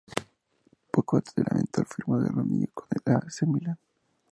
Poco antes de la eventual firma de Ronaldinho con el A. C. Milan.